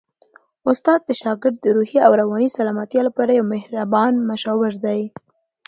استاد د شاګرد د روحي او رواني سلامتیا لپاره یو مهربان مشاور دی.